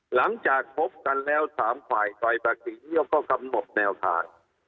หลังจากพบกันแล้ว๓ฝ่ายฝ่ายเดียวก็กำหนดแนวทาง